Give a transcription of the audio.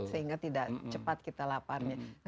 sehingga tidak cepat kita laparnya